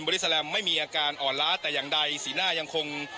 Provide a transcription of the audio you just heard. ริสแลมไม่มีอาการอ่อนล้าแต่อย่างใดสีหน้ายังคง